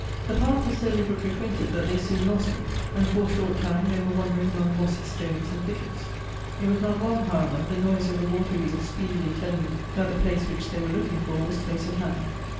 The path was so little frequented, that they soon lost it ; and for a short time they were wandering among mossy stones and thickets; it was not long, however, the noise of the water wheel speedily telling them that the place which they were looking for was close at hand.